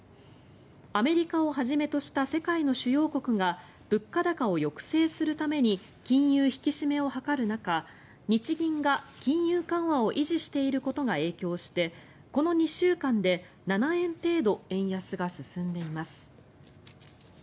アメリカをはじめとした世界の主要国が物価高を抑制するために金融引き締めを図る中日銀が金融緩和を維持していることが影響してこの２週間で７円程度円安が進んでいます。